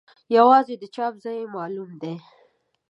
یوازې د چاپ ځای یې معلوم دی.